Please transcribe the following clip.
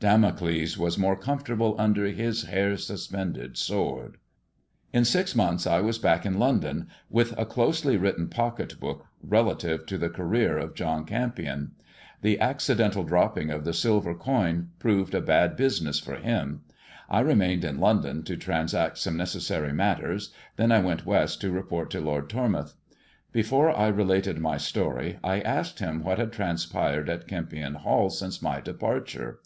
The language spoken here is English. Damocles was more comfortable under his batr suspended sword. In six months I was back in London with a cloaelf 294 THE JESUIT AND THE MEXICAN COIN written pocket book relative to the career of John Kempion. The accidental dropping of the silver coin proved a bad business for him. I remained in London to transact some necessary matters, then I went West to report to Lord Tormouth. Before I related my story I asked him what had transpired at Kempion Hall since my departure.